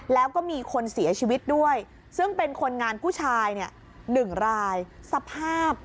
แล้วก็มีคนเสียชีวิตด้วยซึ่งเป็นคนงานผู้ชายเนี่ย๑รายสภาพ